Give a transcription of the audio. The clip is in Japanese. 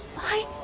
はい。